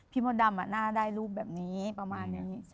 มดดำน่าได้รูปแบบนี้ประมาณนี้